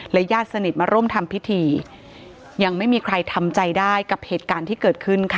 ญาติสนิทมาร่วมทำพิธียังไม่มีใครทำใจได้กับเหตุการณ์ที่เกิดขึ้นค่ะ